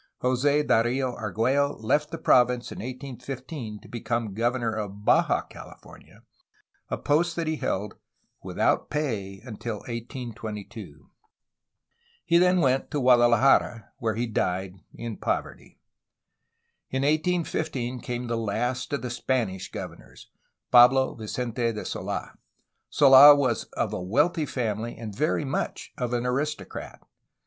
Jos6 Darfo Argiiello left the province in 1815 to become governor of Baja California, a post that he held, without pay, until 1822. He then went to Guadalajara, where he died in poverty. In 1815 came the last of the Spanish governors, Pablo Vicente de Sold. Sola was of a wealthy family and very much of an aristocrat.